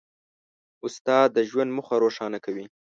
استاد د ژوند موخه روښانه کوي.